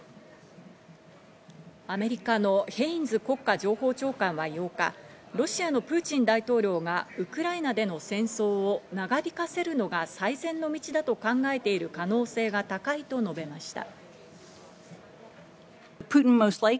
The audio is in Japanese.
アメリカのヘインズ国家情報長官は８日、ロシアのプーチン大統領がウクライナでの戦争を長引かせるのが最善の道だと考えている可能性が高いと述べました。